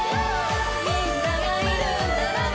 「みんながいるならば」